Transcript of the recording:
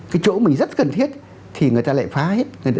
cái chỗ mình rất cần thiết thì người ta lại phá hết